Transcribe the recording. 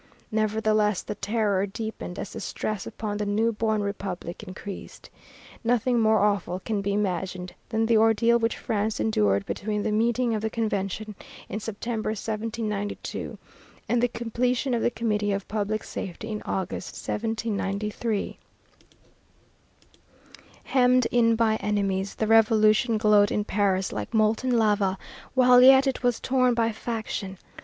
Nevertheless the Terror deepened as the stress upon the new born republic increased. Nothing more awful can be imagined than the ordeal which France endured between the meeting of the Convention in September, 1792, and the completion of the Committee of Public Safety in August, 1793. Hemmed in by enemies, the revolution glowed in Paris like molten lava, while yet it was torn by faction.